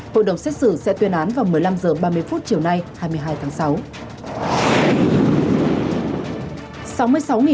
hội đồng xét xử sẽ tuyên án vào một mươi năm h ba mươi chiều nay hai mươi hai tháng sáu